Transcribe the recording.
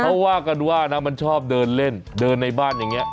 เขาว่ากันว่านะมันชอบเดินเล่นเดินในบ้านอย่างนี้